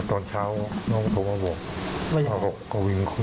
ตอนเช้าน้องคงมาดู